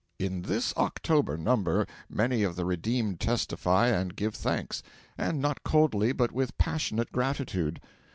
In this October number many of the redeemed testify and give thanks; and not coldly but with passionate gratitude.